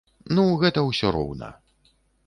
Ну, гэта ўсё роўна.